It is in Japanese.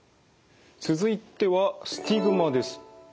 続いてはスティグマです。